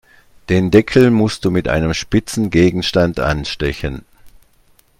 Den Deckel musst du mit einem spitzen Gegenstand anstechen.